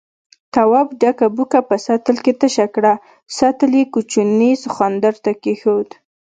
تواب ډکه بوکه په سطل کې تشه کړه، سطل يې کوچني سخوندر ته کېښود.